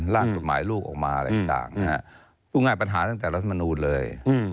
ร่างกฎหมายลูกออกมาอะไรต่างนะฮะพูดง่ายปัญหาตั้งแต่รัฐมนูลเลย